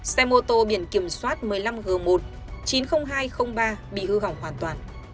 xe mô tô biển kiểm soát một mươi năm g một chín mươi nghìn hai trăm linh ba bị hư hỏng hoàn toàn